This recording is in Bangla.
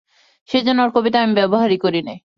সেইজন্যে ওর কবিতা আমি ব্যবহারই করি নে।